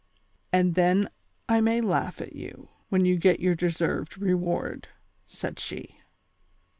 203 and then I may laugh at you, when you get your deserved reward," said she.